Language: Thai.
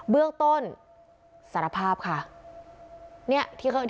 เบื้องต้นสารภาพค่ะเนี่ยที่เคย